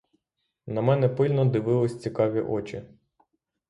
На мене пильно дивились цікаві очі.